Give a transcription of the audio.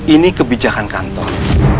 ini kebijakan kantor